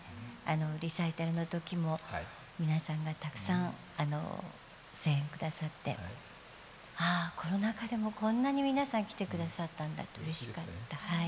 リサイタルのときも皆さんがたくさん声援をくださって、ああ、コロナ禍でもこんなに皆さん来てくださったんだとうれしかった。